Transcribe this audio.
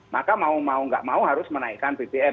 maka mau mau nggak mau harus menaikkan bbm